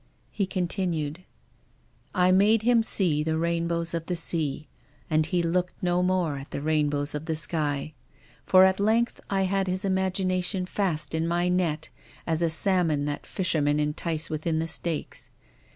He continued: " I made him see the rainbows of the sea and he looked no more at the rainbows of tlie sky. For at length I h.id his imagination fast in my net as a salmon that fishermen entice within the stakes.